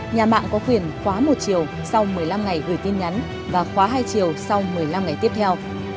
nhà mạng có quyền khóa một chiều sau một mươi năm ngày gửi tin nhắn và khóa hai chiều sau một mươi năm ngày tiếp theo